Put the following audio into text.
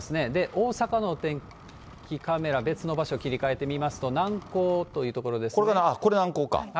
大阪のお天気カメラ、別の場所、切り替えてみますと、南港というこれ、南港か。